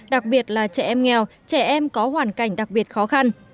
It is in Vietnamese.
đặc biệt là trẻ em nghèo trẻ em có hoàn cảnh đặc biệt khó khăn